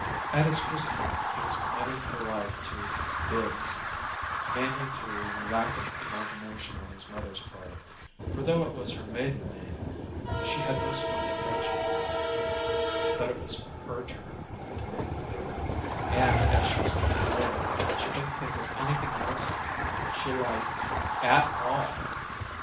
At his christening he was committed for life to "Bibbs" mainly through lack of imagination on his mother's part, for though it was her maiden name, she had no strong affection for it; but it was "her turn" to name the baby, and, as she explained later, she "couldn't think of anything else she liked AT ALL!"